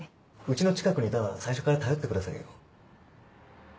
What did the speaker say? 家の近くにいたなら最初から頼ってくださいよ。